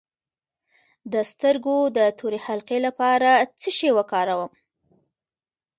د سترګو د تورې حلقې لپاره باید څه شی وکاروم؟